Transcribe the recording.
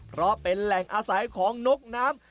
เพราะเป็นแหล่งอาศัยของนกน้ำ